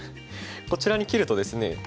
こちらに切るとですね